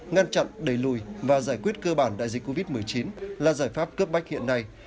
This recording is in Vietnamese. ngăn chặn đẩy lùi và giải quyết cơ bản đại dịch covid một mươi chín là giải pháp cấp bách hiện nay